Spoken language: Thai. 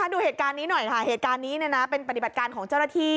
ดูเหตุการณ์นี้หน่อยค่ะเป็นปฏิบัติการของเจ้าราธิ